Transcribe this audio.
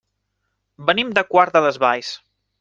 Venim de Quart de les Valls.